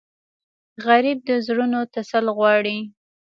غریب د زړونو تسل غواړي